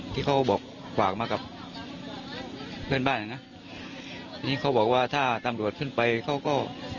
ที่เขาบอกฝากมากับเพื่อนบ้านอ่ะนะทีนี้เขาบอกว่าถ้าตำรวจขึ้นไปเขาก็